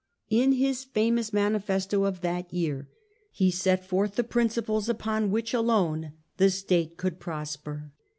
In his famous manifesto of that year he set forth the principles upon which alone the State could prosper.